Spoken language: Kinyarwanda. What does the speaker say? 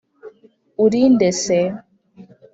« Uri nde se? »